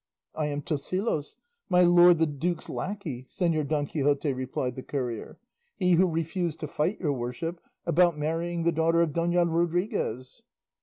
"I am Tosilos, my lord the duke's lacquey, Señor Don Quixote," replied the courier; "he who refused to fight your worship about marrying the daughter of Dona Rodriguez."